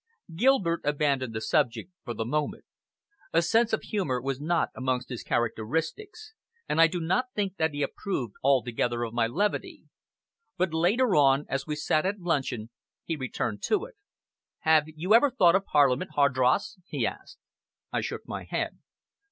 Gilbert abandoned the subject for the moment. A sense of humor was not amongst his characteristics, and I do not think that he approved altogether of my levity. But later on, as we sat at luncheon, he returned to it. "Have you ever thought of Parliament, Hardross?" he asked. I shook my head.